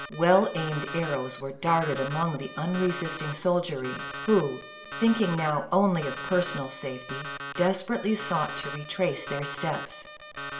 Well aimed arrows were darted among the unresisting soldiery, who, thinking now only of personal safety, desperately sought to retrace their steps.